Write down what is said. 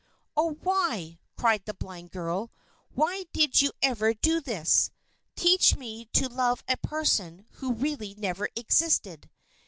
"Oh, why," cried the blind girl, "why did you ever do this? Teach me to love a person who really never existed?